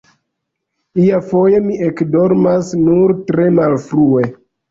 Iafoje mi ekdormas nur tre malfrue.